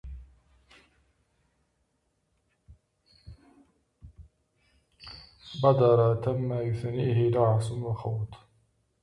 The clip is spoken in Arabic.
بدر تم يثنيه دعص وخوط